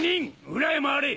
裏へ回れ！